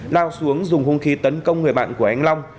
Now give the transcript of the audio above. lao xuống dùng hung khí tấn công người bạn của anh long